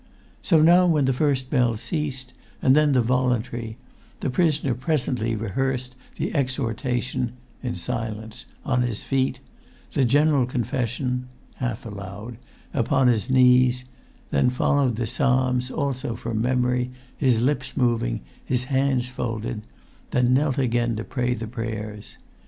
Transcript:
So now when first the bells ceased, and then the voluntary, the prisoner presently rehearsed the exhortation (in silence) on his feet, the general confession (half aloud) upon his knees; then followed the psalms, also from memory, his lips moving, his hands folded; then knelt again to pray the prayers.